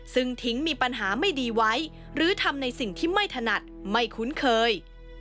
ซึ่งทิ้งมีปัญหาไม่ดีไว้หรือทำในสิ่งที่ไม่ถนัดไม่คุ้นเคย